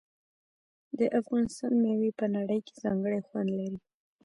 د افغانستان میوې په نړۍ کې ځانګړی خوند لري.